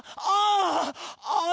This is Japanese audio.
「ああ！